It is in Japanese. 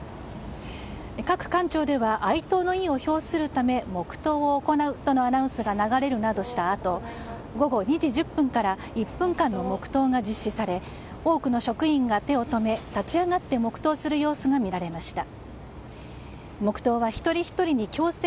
各官庁では哀悼の意を表するため黙祷を行うとのアナウンスが流れるなどしたあと午後２時１０分から１分間の黙祷が実施され多くの職員が手を止め立ち上がって黙祷する様子が見られました。